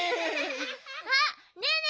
あっねえね